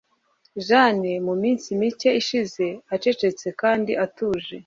jane muminsi mike ishize acecetse kandi atuje